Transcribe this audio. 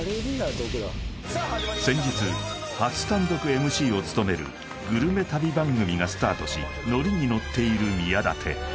先日初単独ＭＣを務めるグルメ旅番組がスタートしノリに乗っている宮舘